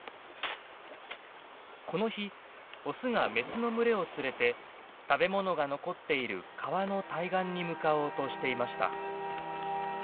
この日オスがメスの群れを連れて食べ物が残っている川の対岸に向かおうとしていました。